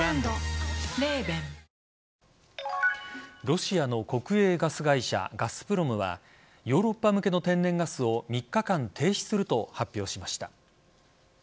ロシアの国営ガス会社ガスプロムはヨーロッパ向けの天然ガスを３日間停止すると発表しました。